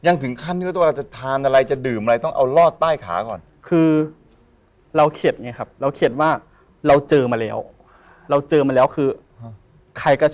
น้องจะถือย่ามไว้เลย